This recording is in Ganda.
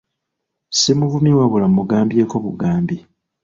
Siimuvumye wabula mugambyeko bugambi.